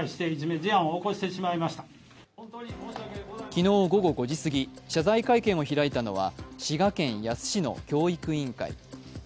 昨日午後５時すぎ、謝罪会見を開いたのは滋賀県野洲市の教育委員会。